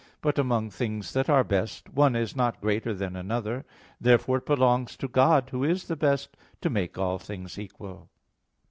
But among things that are best, one is not greater than another. Therefore, it belongs to God, Who is the Best, to make all things equal.